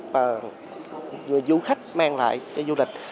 mà người du khách mang lại cho du lịch